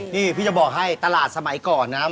นี่พี่จะบอกให้ตลาดสมัยก่อนนะครับ